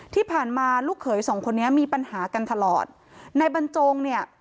ที่ผ่านมาลูกเขยสองคนนี้มีปัญหากันตลอดนายบรรจงเนี่ย